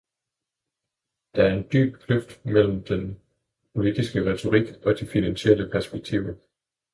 Der er en dyb kløft mellem den politiske retorik og de finansielle perspektiver.